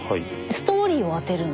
ストーリーを当てるの？